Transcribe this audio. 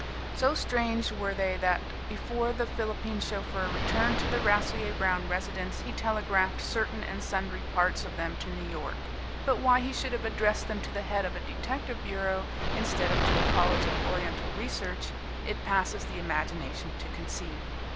So strange were they that before the Philippine chauffeur returned to the Rasselyer Brown residence he telegraphed certain and sundry parts of them to New York. But why he should have addressed them to the head of a detective bureau instead of to a college of Oriental research it passes the imagination to conceive.